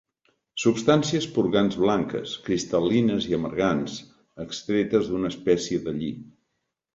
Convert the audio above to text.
Substàncies purgants blanques, cristal·lines i amargants, extretes d'una espècie de lli.